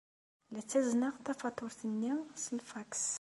La ttazneɣ tafatuṛt-nni s lfaks.